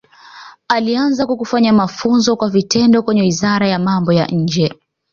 Alianza kwa kufanya mafunzo kwa vitendo kwenye Wizara ya Mambo ya Nje